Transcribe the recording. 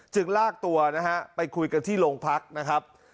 ลากตัวนะฮะไปคุยกันที่โรงพักนะครับ